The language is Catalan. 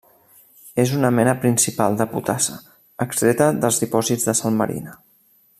És una mena principal de potassa, extreta dels dipòsits de sal marina.